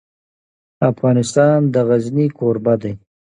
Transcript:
افغانستان د غزني کوربه دی.